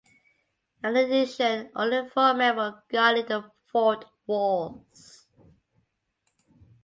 In addition only four men were guarding the fort walls.